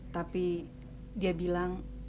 tapi dia bilang